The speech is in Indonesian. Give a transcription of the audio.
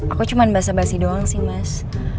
aku cuma basa basi doang sih mas